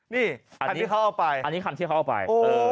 นี่อันนี้เขาเอาไปอันนี้คันที่เขาเอาไป